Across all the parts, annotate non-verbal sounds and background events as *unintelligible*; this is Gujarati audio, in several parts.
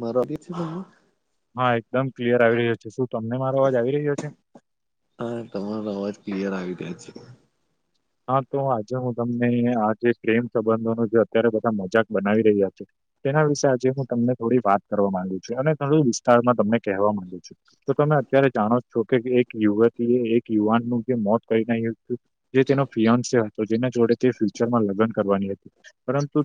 મારા બી *unintelligible* હા એકદમ ક્લિયર આવી રહ્યો છે, શું તમને મારો અવાજ આવી રહ્યો છે? હા તમારો અવાજ ક્લિયર આવી ગ્યા છે. હા તો આજે હું તમને આ જે પ્રેમ સંબંધો ન જે અત્યારે બધા મજાક બનાવી રહ્યા છે. તેના વિશે આજે હું તમને થોડી વાત કરવા માંગુ છું અને થોડું વિસ્તારમાં તમને કહેવા માંગુ છું. તો તમે અત્યારે જાણો છો કે એક યુવતી એ એક યુવાનનું જે મોત કરી ન હતું. જે તેનો ફિન્ હતો જેના જોડે તે ફ્યુચરમાં લગ્ન કરવાની હતી પરંતુ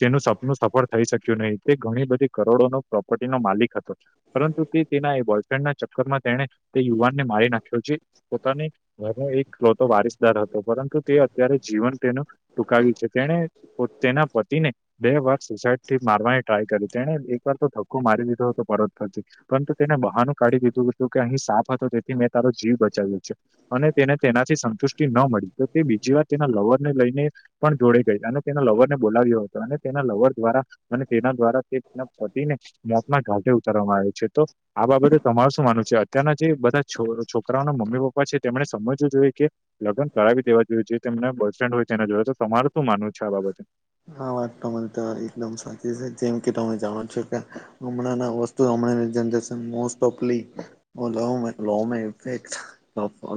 તે નું સફળ થઈ શક્યું નહીિ તે ઘણી બધી કરોડો નો પ્રોપર્ટી નો માલિક હતો પરંતુ તેના બોયફ્રેન્ડના તેને તે યુવાન ને મારી નાખ્યો છે પોતાની ઘરનો એકતો વા દર હતો પરંતુ તે અત્યારે જીવન તેનું ટુકાવ્યું છે તેણે તેના પતિને બે વાર સુસાઈડ થી મારવાની ટ્રાય કરી તેણે એક વાર તો ધક્કો મારી દીધો હતો પરત ફતી પરંતુ તેને બહાનું કાઢી દીધું હતું કે અહીં સાફ હતો તેથી મેં તારો જીવ બચાવ્યો છે અને તેને તેનાથી સંતુષ્ટિ ન મળી તો તે બીજી વાર તેના લવર ને લઈને પણ જોડે ગઈ અને તેના લવર ને બોલાવ્યો હતો અને તેના લવર દ્વારા અને તેના દ્વારા તે તેના ફટીને મોતના ઘાઢે ઉતારવામાં આવે છે તો આ બાબતે તમારું શું માનવું છે અત્યારના જે બધા છોકરાઓના મમ્મી પપ્પા છે તેમણે સમજવું જોઈએ કે લગ્ન કરાવી દેવા જોયું છે તને બસ સ્ટેન્ હોય તેના જોયયા તમારે શું માનવું છે આ બાબતે હ વાતને તો એકદમ સાચી છે જેમ કે તમે જાણો છો કે હમણાંના વસ્તુ જરેન મો ઓફફેક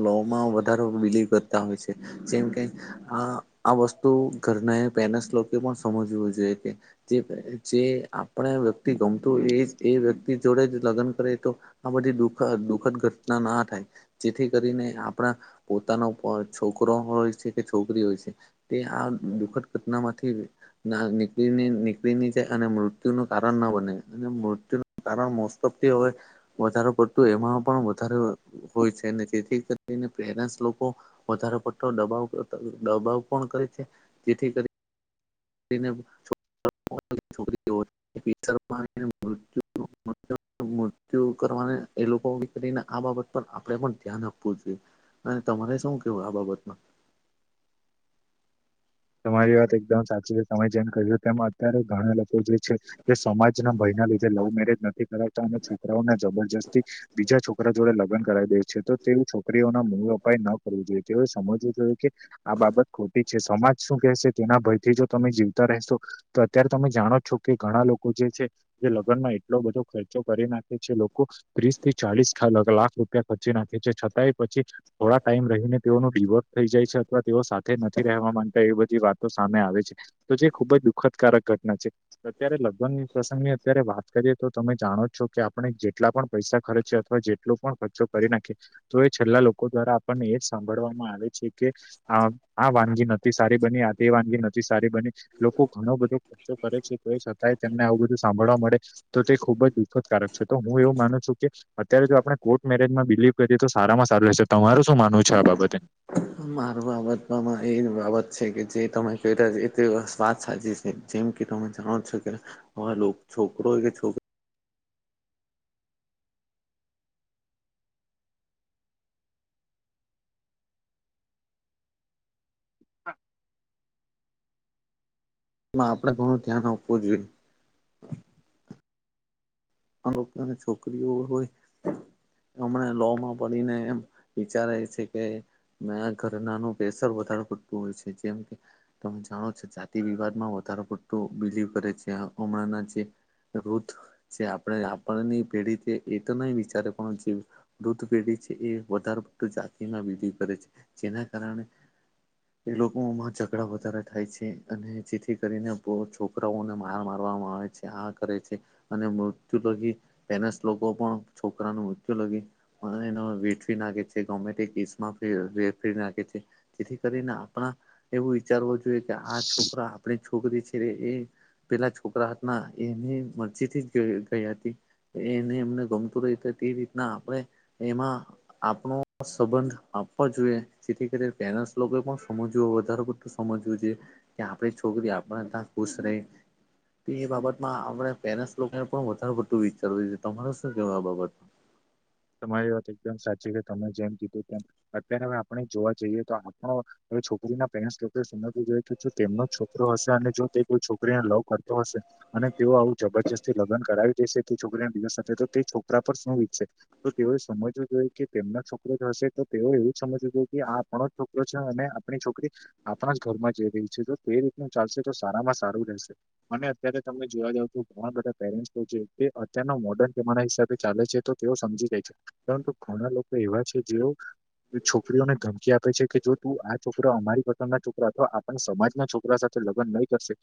લો માં વધારે બિલીવ કરતા હોય છે જેમ કે આ આ વસ્તુ ઘરના પેરેન્ટ્સ લોકો પણ સમજવું જોઈએ કે જે જે આપણે વ્યક્તિ ગમતું હોય એ એ વ્યક્તિ જોડે જ લગ્ન કરે તો આ બધી દુખ દુઃખદ ઘટના ના થાય જેથી કરીને આપણા પોતાનો છોકરો હોય છે કે છોકરી હોય છે તે આ દુખદ ઘટના માંથી ના નીકળી નીકળી ની જાય અને મૃત્યુ નું કારણ ના બને અને મૃત્યુ કારણ મોસ્ટ ઓફથી હવે વધારે પડતું એમાં પણ વધારે હોય છે તેથી કરીને પેરેન્ટસ લોકો વધારેો પટતોો દબાવ દબાવ પણ કરે છે જેથી કરી છોકરી મૃતુ મૃત્યુ કરવાને એ લોકો કરીને આ બાબત પર આપણે પણ ધ્યાન આપવું જોઈએ અને તમારે શું કેવું આ બાબતમાં તમારી વાત એકદમ સાચી છે તમે જેમ કહ્યું તેમ અત્યારે ઘણા લોકો જે જે સમાજના ભયના લીધે લવ મેરેજ નથી કરાવતા અને છોકરાઓને જબરજસ્તી બીજા છોકરા જોડે લગન કરાવી દે છે તો તેવી છોકરીઓના મૂળોપાય ન કરવું જોઈએ તેઓએ સમજવું જોઈએ કે આ બાબત ખોટી છે સમાજ શું કેહેશે તેના ભયથી જો તમે જીવતા રહેશો તો અત્યારે તમે જાણો છો કે ઘણા લોકો જે છે જે લગ્ન માં એટલો બધો ખર્ચો કરી નાખે છે લોકો ત્રીસ થી ચાલીસ લાખ રૂપિયા ખર્ચી નાખે છે છતાંય પછી થોડા ટાઈમ રહીને તેઓનો ડડીિવોર્ટ થઈ જાય છે અથવા તેઓ સાથે નથી રહેવા માંગતા એ બધી વાતો સામે આવે છે તો જે ખુબ જ દુઃખદકારક ઘટના છે અત્યારે લગ્ન પ્રસંગની અત્યારે વાત કરીએ તો તમે જાણો છો કે આપણે જેટલા પણ પૈસા ખર્ચી અથવા જે એટલો પણ ખર્ચો કરી નાખે તો એ છેલ્લા લોકો દ્વારા આપણને એજ સાંભળવામાં આવે છે કે આ વાનગી નથી સારી બની આતી વાનગી નથી સારી બની લોકો ઘણો બધો કરે છે તો છતાંય તેમને આવું બધું સાંભળવા મળે તો તે ખુબ જ દુઃખદકારક છે તો હું એવું માનું છું કે અત્યારે જો આપણે કોર્ટ મેરેજમાં બિલીવ કરીએ તો સારામાં સારું રહેશે તમારું શું માનવું છે આ બાબતે મારું બાબતમાં એ બાબત છે કે જે તમે ક રહ્યા એ સ્વાદ સાજી જેમ કે તમે જાણો છો કે આ છોકરો કે છોકરી એમાં આપણે ઘણું ધ્યાન આપવું જોઈએ આ લોકોને છોકરીઓ હોય હમણાં લો માં પડીને એમ વિચારે છે કે મે ઘરનાનું પ્રેશર વધારે પડતું હોય છે જેમ કે તમ જાણો છો જાતિ વિવાદ માં વધારે પડતું બિલીવ કરે છે. હ હમણાં ને જે રૂધ છે આપ *unintelligible* ની પેઢી થી એ તો નહી વિચારે પણ જે વૃદ્ધ પેઢી છ એ-એ વધારે પું જાતિમાં *unintelligible* કરે છે, જેના કારણે *inaudible* એ લોકોમાં ઝઘડા વધારે થાય છે, અને જેથી કરીને બોવ છોકરાઓને માર મારવામાં આવે છે. એ આ કરે છે, અને મૃત્યુ લગીન પેનસ લોકો પણ છોકરાનું મૃત્યુ લગી *unintelligible* વેડફી નાખે છે ગમે તે *unintelligible* નાખે છે. જેથી કરીને આપણા એવું વિચારવું જોઈએ કે આ છોકરા આપણે છોકરી છે એ પેલા છોકરા હાથમાં એ એમની મરજી થી જ *unintelligible* ગઈ હતી, એ એને એમને ગમતું રહી તે રીતના આપણે એમાં આપણું સંબંધ આપવો જોઈએ. જેથી કરીને પેન્ટ્સ લોકો પણ સમજવું વધારે પડતું સમજવું જોઈએ. કે આપણી છોકરી આપણા તા ખુશ રહે, તો એ બાબતમાં આપણે પેરેન્ટસ લોક ને પણ વધારે પડતુ વિચારવું જોઈ, તમાર શું કેવું આ બાબત? તમારી વાત એકદમ સાચી કે તમે જેમ કીધું તેમ અત્યારે હવે આપણે જોવા જઈએ તો આપણો હવે છોકરીના પેરેન્ટસ લોકો એ સમજવું જોઈએ કે જો તેમનો છોકરો હશે અને જો તે કોઈ છોકરી ને લવ કરતો હશે, અને તેઓ આવું જબરજસ્ત જે લગન કરાવી દેશે તે છોકરીના દિવસ સાથે, તો તે છોકરા પર શું વિતશે? તો તેઓએ સમજવું જોઈએ કે તેમના છોકરો જ હશે તો તેઓ એવું જ સમજવું જોઈએ કે આ *unintelligible* *unintelligible* અને આપણી છોકરી આપણા જ ઘરમાં જઈ રહી છે, જો તે રીતનું ચાલશે તો સારામાં સારું રહેશે. અને અત્યારે તમને જોવા જાવ તો ઘણા બધા પેરેન્ટ્સ હોય છે, તે અત્યારના મોડર્ન જમાના હિસાબે ચાલે છે તો તેઓ સમજી જાય છે, પરંતુ ઘણા લોકો એવા છે જેઓ ને છોકરીઓને ધમકી આપે છે, કે જો તું આ છોકરો અમારી પસંદ ના છોકરા તો આ પણ સમાજના છોકરા સાથે લગ્ન નહીં કરશે.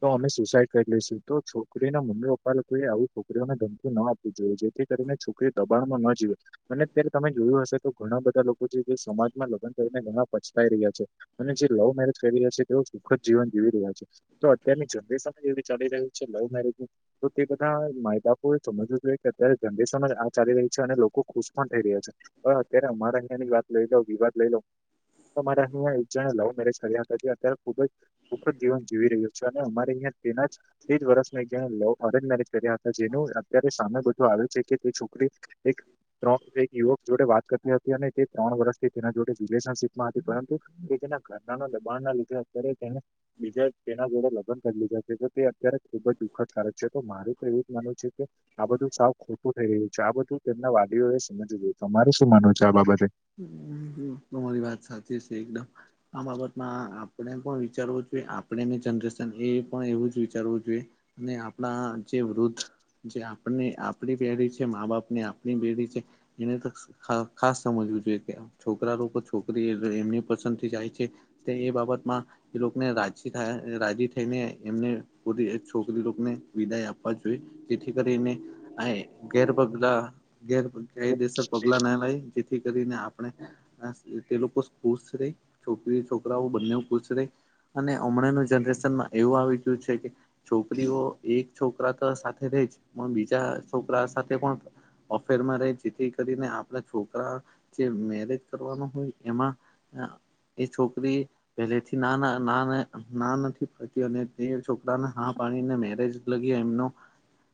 તો અમે સુસાઈડ કરી લઈશું, તો છોકરી ના મમ્મી પપ્પા લોકો એ આવું છોકરીઓને ધમકી ન આપ *unintelligible* જોઈએ જેથી કરીને છોકરી દબાણમાં ન જીવે. અને અત્યારે તમે જોયું હશે તો ઘણા બધા લોકો છે જે સમાજમાં લગ્ન કરીને ઘણા પછતાઈ રહ્યા છે. અને જે લવ મેરેજ કરી રહ્યા છે, તેઓ સુખદ જીવન જીવી રહ્યા છે. તો અત્યારની જનરેશન એવી ચાલી રહ્યું છે લવ મેરેજ નું. તો તે બધા માય બાપોએ સમજવું જોઈએ કે અત્યારે જનરેશન જ આ ચાલી રહી છે, અને લોકો ખુશ પણ થઈ રહ્યા છે. હવે અત્યારે અમારે અહિયાંની વાત લઈ લો, વિવાદ લઈ લો તો મારે અહિયાં એક જણાએ લવ મેરેજ કર્યા હતા તે અત્યારે ખુબ જ સુખદ જીવન જીવી રહ્યો છે, અને અમારે અહીંયાં તેના જ *unintelligible* વર્ષ એક લવ અરેન્જ મેરેજ કર્યા હતા જેનું અત્યારે સામે બધું આવે છે કે તે છોક કરી એક ત્રણ એક યુવક જોડે વાત કરતી હતી, અને તે ત્રણ વર્ષથી તેના જોડે રિલેશનશીપમાં હતી, પરંતુ એ તેના ઘરના ન દબાણ ના લીધે અત્યારે એક એને બીજા તેના જોડે લગન કરી લીધા છે, તો તે અત્યારે ખુબ જ દુઃખદ કારક છે. તો મારું તો એવું જ માનવું છે કે આ બધું સાવ ખોટું થઈ રહ્યું છે, આ બધું તેમના વાલીઓએ સમજવું જોઈ. તમારે શું માનવું છે આ બાબતે? હમ્મ-હમ્મ, તમારી વાત સાચી છે એકદમ. આ બાબતમાં આપણે પણ વિચારવું જોઈએ, આપણેની જનરેશન એ પણ એવું જ વિચારવું જોઈએ. ને આપણા જે વૃદ્ધ જે આપને આપડી પેઢી છે, મા બાપ ની આપણી બેેઢી છે, જેને ત ખ ખાસ સમજવું જોઈએ, કે છોકરા લોકો છોકરી એ એમની પસંદ થી જાય છે તે એ બાબતમાં એ લોકને રાજી થા રાજી થઈને એમને *unintelligible* છોકરી લોકને વિદાય આપવા જોઈએ. જેથી કરીને આય ગેર પગલા ગેર કાયદેસર પગલા ના લેય. થી કરીને આપણે *unintelligible* તે લોકો ખુશ રેય, છોકરી છોકરાઓ બંને ખુશ રહે. અને હમણાં ના જનરેશનમાં એવું આવી ગયું છે કે છોકરીઓ એક છોકરા તો સાથે રહી જ પણ બીજા છોકરા સાથે પણ ઓફેર માં રહે જેથી કરીને આપણા છોકરા જે મેરેજ કરવાનું હોય એમાં એ છોકરી પહેલેથી ના ના ના ના નથી પડતી અને તે છોકરાને હા પાણીને મેરેજ લાગી એમ નો. *unintelligible*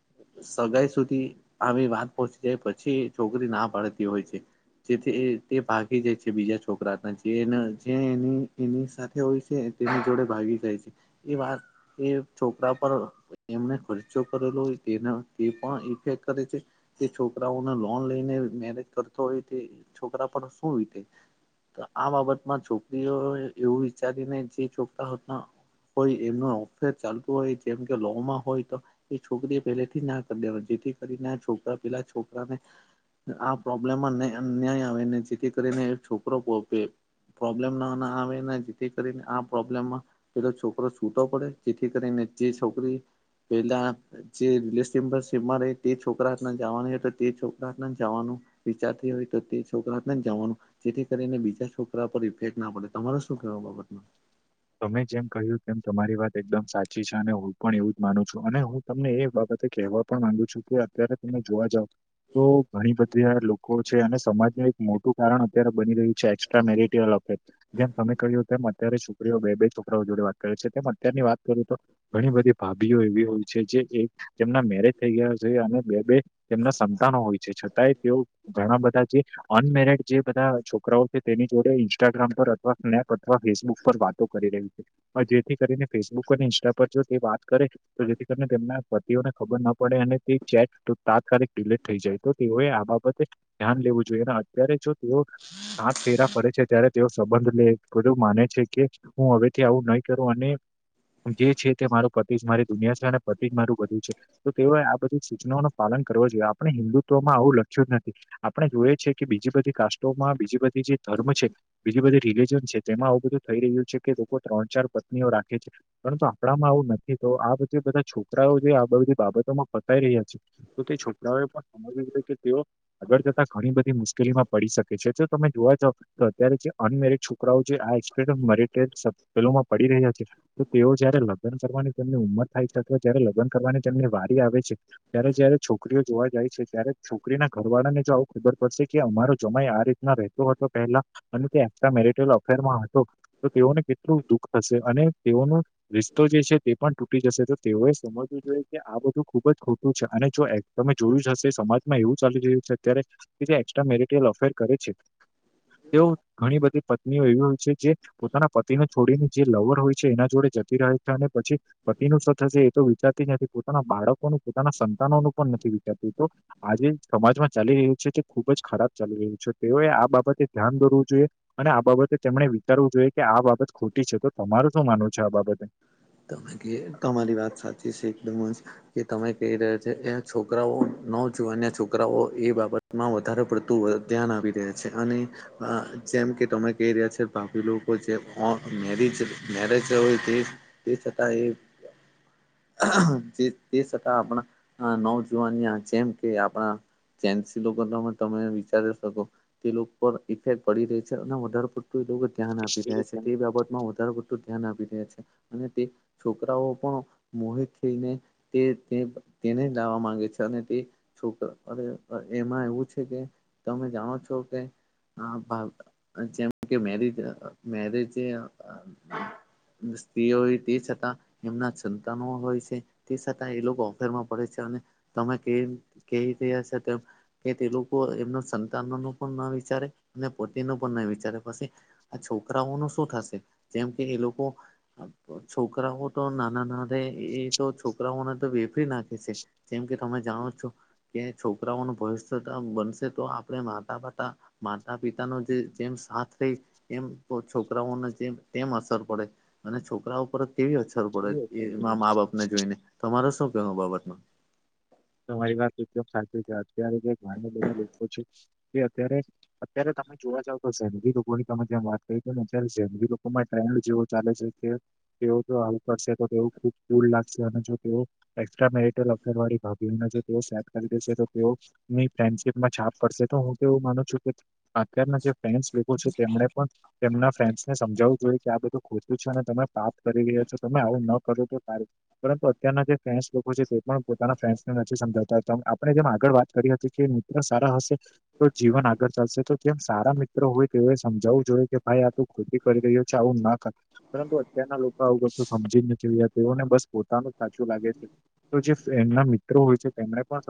સગાઈ સુધી આવી વાત પહોંચી જાય પછી છોકરી ના પાડતી હોય છે. જેથી તે ભાગી જાય છે બીજા છોકરાના જે જે એની એની સાથે હોય છે તેની જોડે ભાગી જાય છે એ વાત એ છોકરા પર એમને ખર્ચો કરેલો હોય તેના તે પણ ઇફેક્ટ કરે છે એ છોકરાઓને લોન લઈને મેરેજ કરતો હોય તે છોકરા પર શું વીતે. તો આ બાબતમાં છોકરીઓ એવું વિચારીને જે ચોકતા હતા. હોય એમનું અફેર ચાલતું હોય જેમ કે લોવમાં હોય તો? એ છોકરી એ પહેલેથી ના કરી દેવા જેથી કરીને છોકરા પેલા છોકરાને આ પ્રોબ્લેમમાં ન અન્યાય આવે ને જેથી કરીને છોકરો પપે પ્રોબ્લેમ ના ના આવે જેથી કરીને આ પ્રોબ્લેમમાં પેલો છોકરો છૂટો પડે જેથી કરીને જે છોકરી પેલા જે તે છોકરાને *inaudible* જવાની હોય તો તે છોકરા જવાનું વિચારતી હોય તે છોકરા જવાનું જેથી કરીને બીજા છોકરા પર ઇફેક્ટ ના પડે તમારે શું કેવા બાબતમાં? તમે જેમ કહ્યું તેમ તમારી વાત એકદમ સાચી છે અને હું પણ એવું માનું છું અને હું તમને એ બાબતે કહેવા પણ માંગુ છું કે અત્યારે તમે જોવા જાવ તો ઘણી આ બધી લોકો છે અને સમાજનું એક મોટું કારણ અત્યારે બની રહ્યું છે એક્સ્ટ્રા મેરટયલ અફેર. જેમ તમે કહ્યું તેમ અત્યારે છોકરીઓ બે બે છોકરાઓ જોડે વાત કરે છે તેમ અત્યારની વાત કરું તો ઘણી બધી ભાભીઓ એવી હોય છે જે એક તેમના મેરેજ થઈ ગયા છે અને બે બે તેમના સંતાનો હોય છે છતાંય તેઓ ઘણા બધા જે અનમેરડ જે બધા છોકરાઓ છે તેની જોડે ઇન્સ્ટાગ્રામ પર અથવા સ્નેપ અથવા ફેસબુક પર વાતો કરી રહ્યું છે જેથી કરીને ફેસબુક અને ઇન્સ્ટા પર જો તે વાત કરે તો જેથી કરીને તેમના પતિઓને ખબર ના પડે અને તે ચેટ તાત્કાલિક ડિલેટ થઈ જાય તો હોય આ બાબતે ધ્યાન લેવું જોઈએ અને અત્યારે જો તેઓ સાત ફેરા પડે છે ત્યારે તેઓ સંબંધ લે એ બધું માને છે કે હું હવે ત્યા આવું નહી કરું અને જે છે તે મારું પતિ જ મારી દુનિયા છે અને પતિ જ મારું બધું છે તો તેઓ આ બધી સૂચનાઓ ન પાલન કરવો જોઈએ આપણે હિન્દુત્વમાં આવું લખ્યું જ નથી આપણે જોઈએ છેી કે બીજી બધી કાસ્ટોમાં બીજી બધી જે ધર્મ છે બીજી બધી રિલીજન છે તેમાં આવું બધું થઈ રહ્યું છે કે લોકો ત્રણ ચાર પત્નીઓ રાખે છે પરંતુ આપડામાં આવું નથી તો આ બધે બધા છોકરાઓ જે આ બધી બાબતોમાં ફસાઈ રહ્યા છે તો તે છોકરાઓએ પણ સમજવ જોઈએ કે તેઓ આગળ જતા ઘણી બધી મુશ્કેલી માં પડી શકે છે જો તમે જોવા જાવ તો અત્યારે જે અનમેરિડ છોકરાઓ છે આટેડમ મરીડ પેલોમાં પડી રહ્યા છે તો તેઓ જયારે લગ્ન કરવાની તેમની ઉંમર થાય છે અથવા જયારે લગ્ન કરવાની જેમની વારી આવે છે ત્યારે જ્યારે છો છોકરીઓ જોવા જાય છે ત્યારે છોકરી ના ઘરવાળા ને જો આવું ખબર પડશે કે અમારો જમાઈ આ રીતના રહેતો હતો પહેલા અને તે એક્ટ્રા મેરટલ અફેરમાં હતો તો તેઓને કેટલું દુખ થશે અને તેઓનું રિસ્તો જે છે તે પણ તૂટી જશે તો તેઓએ સમજવું જોઈએ કે આ બધું ખુબ જ ખોટું છે અને જો તમે જોયું જ હશે સમાજમાં એવું ચાલી રહ્યું છે અત્યારે કે જે એકક્સ્ટ્રા મેરટયલ અફેર કરે છે તેઓ ઘણી બધી પત્નીઓ એવીયો છે જે પોતાના પતિને છોડીને જે લવર હોય છે એના જોડે જતી રહે છે અને પછી પતિનું શ થશે એ તો વિચારતી નથી પોતાના બાળકોનું પોતાના સંતાનોનું પણ નથી વિચારતું તો આજે સમાજમાં ચાલી રહ્યું છે કે ખુબ જ ખરાબ ચાલી રહ્યું છે તેઓએ આ બાબત ધ્યાન દોરવું જોઈએ અને આ બાબતે તેમણે વિતારવું જોઈએ કે આ બાબત ખોટી છે તો તમારું શું માનવું છે આ બાબતે તોમે કે તમારી વાત સાચી છે એકદમ કે તમે કહી રહ્યા છે એ છોકરાઓ ન જોવાન્યા છોકરાઓ એ બાબત માં વધારે પડતું ધ્યાન આવી રહ્યા છે અને જેમ કે તમે કહી રહ્યા છો ભપી લોકો જે મેરીજ મેરેજ હોય તે તે છતા એ જે તે છતાં આપણા નવજુવાન જેમ કે આપણા ચેન્સી લોકો તમે તમે વિચારી શકો તે લોકો ઇફેક્ટ પી રહી છે અને વધારે પડતું એ ધ્યાન આપી રહ્યા છે તે બાબતમાં વધારે પું ધ્યાન આપી રહ્યા છે અને તે છોકરાઓ પણ મોહે ખઈને તે તે તેને લાવવા માંગે છે અને તે છોકરા અરે એમાં એવું છે કે તમે જાણો છો કે હા જેમ કે મેરેજ મેરેજ બ પ્ર હોય તે છતાં એમના સંતાનો હોય છે તે છતાં એ લોકો ઓફેરમાં પડે છે અને તમે કેવી કેવી ર હશે તેમ કે તે લોકો એમના સંતાનો ન પણ ના વિચારે અને પોતિ ન પણ ના વિચારે પછી આ છોકરાઓ ન શું થશે જેમ કે એ લોકો હ તો છોકરાઓ તો નાના ના અરે એ તો છોકરાઓને તો વેફરી નાખે છે જેમ કે તમે જાણો છો કે્યા છોકરાઓનું ભવ બનશે તો આપણે માતા પતા માતા પિતાનો જે જેમ સાથ રઈ એમ તો છોકરાઓને જે તેમ અસર પડે અને છોકરા ઉપર કેવી અસર પડે એ મા બાપ ને જોઈને તમારે શું કેવ બાબત ન તમારી વાતમ સાચી છે અત્યારે જે લોકો છે તે અત્યારે અત્યારે તમે જોવા જાવ તો છે ની લોકોની તમે જેમ વાત કરી તોને અચ્યારે છે ન લોકો માટે જેવો ચાલે છે તે તેઓ જો આવું કરશે તો તેઓ ખુબ દૂર લાગશે અને જો તેઓ એક્સ્ટ્રા મેરટલ અગરવાળી સેડ કરી દેશે તો તેઓની ફ્રેન્ડશીપમાં છાપ કરશે તો હું કેવું માનું છું કે અત્યારના જે ફેન્સ લોકો છે તેમને પણ તેમના ફેન્સને સમજાવવું જોઈએ કે આ બધું ખોટું છે અને તમે પાપ કરી રહ્યા છો તમે આવું ન કરો તો ત પરંતુ અત્યારના જે ફેન્સ લોકો છે તે પણ પોતાના ફેન્સ નથી સમજાવતા આપણે જેમ આગળ વાત કરી હતી કે મિત્ર સારા હશે તો જીવન આગળ ચાલશે તો જેમ સારા મિત્રો હોય તેઓએ સમજાવવું જોઈએ કે ભાઈ આ તું કોી કરી ચ આવું નાકા પરંતુ અત્યારના લોકો આવું કશું સમજી જ નથી રહ્યા તેઓને બસ પોતાનું સાચું લાગે છે. તો જે એમના મિત્રો હોય છે તેમને પણ